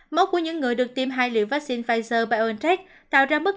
mốt của những người được tiêm hai liệu vắc xin pfizer biontech tạo ra mức